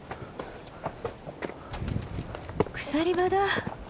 鎖場だ。